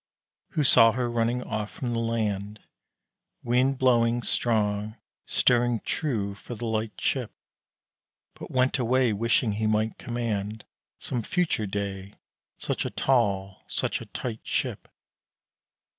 Who saw her running off from the land, Wind blowing strong, steering true for the light ship, But went away wishing he might command Some future day such a tall, such a tight ship?